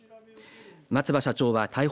松葉社長は逮捕